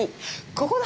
ここだ！